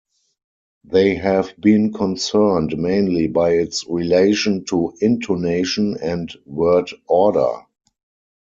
They have been concerned mainly by its relation to intonation and word-order.